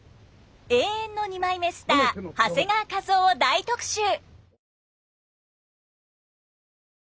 永遠の二枚目スター長谷川一夫を大特集。